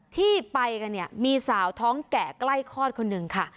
ที่ไปกันเนี่ยมีสาวท้องแก่ใกล้คลอดคนหนึ่งค่ะ